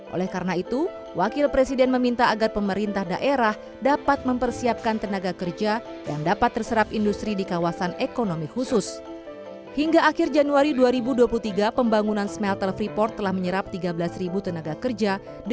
oleh karena itu wakil presiden meminta agar pemerintah dan pemerintah di dalam negeri bisa mencari pemerintah yang lebih cepat